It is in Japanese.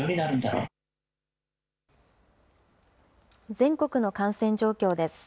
全国の感染状況です。